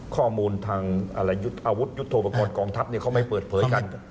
ข้อมูลทางอาวุธยุทธโปรกรณ์กองทัพเขาไม่เปิดเผยกัน